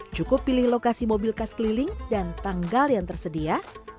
cukup pilih lokasi mobil khas keliling dan tanggal yang tersedia